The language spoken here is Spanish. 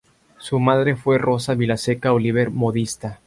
Su madre fue Rosa Vilaseca Oliver, modista.